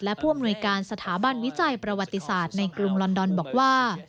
และผู้อำนวยการสถาบันวิจัยประวัติศาสตร์ในกรุงลอนดอนบอกว่า